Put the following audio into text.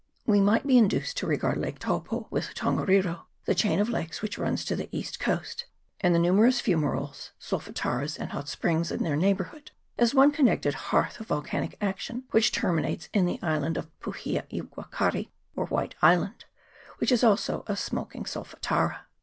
We might be induced to regard Lake Taupo, with the Ton gariro, the chain of lakes which runs to the east coast, and the numerous fumeroles, solfataras, and hot springs in their neighbourhood, as one connected hearth of volcanic action, which terminates in the island of Puhia i Wakari, or White Island, which is also a smoking solfatara.